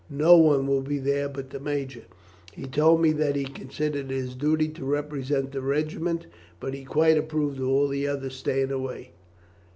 No one will be there but the major. He told me that he considered it his duty to represent the regiment, but he quite approved of all the others staying away.